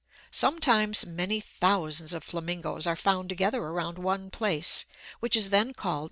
Sometimes many thousands of flamingos are found together around one place, which is then called a flamingo colony.